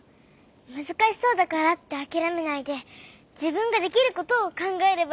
むずかしそうだからってあきらめないでじぶんができることをかんがえればいいのか。